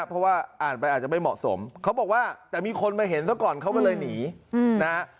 เพราะว่าอ่านไปอาจจะไม่เหมาะสมเขาบอกว่าแต่มีคนมาเห็นซะก่อนเขาก็เลยหนีนะฮะ